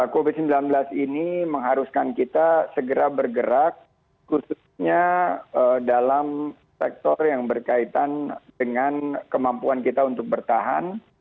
covid sembilan belas ini mengharuskan kita segera bergerak khususnya dalam sektor yang berkaitan dengan kemampuan kita untuk bertahan